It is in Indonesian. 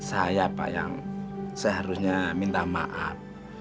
saya pak yang seharusnya minta maaf